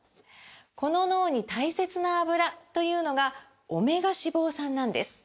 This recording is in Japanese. この脳に大切なアブラというのがオメガ脂肪酸なんです！